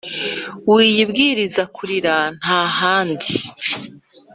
wiyibwiriza kurira ntahandi